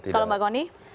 kalau mbak goni